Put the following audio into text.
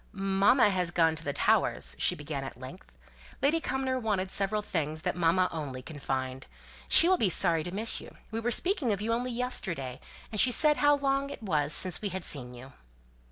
"Mamma has gone to the Towers," she began, at length. "Lady Cumnor wanted several things that mamma only can find. She will be sorry to miss you. We were speaking of you only yesterday, and she said how long it was since we had seen you."